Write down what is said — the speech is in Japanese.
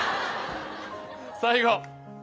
最後。